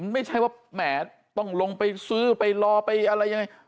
ไม่ใช่ว่าแหมต้องลงไปซื้อไปรอไปอะไรยังไง